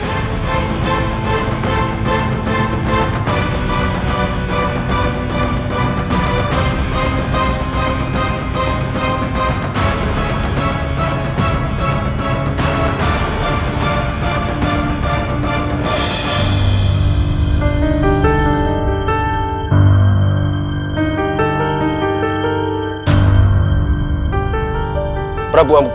kandahan dinda bisa mengerti